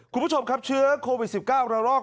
คุณผู้ชมครับเชื้อโควิด๑๙ระลอก